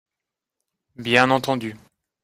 Bien entendu.